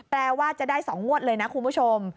แปลว่าจะได้๒งวดเลยนะคุณผู้ชม